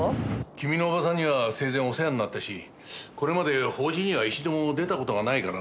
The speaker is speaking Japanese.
君の叔母さんには生前お世話になったしこれまで法事には一度も出た事がないからね。